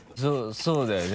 そうだよね。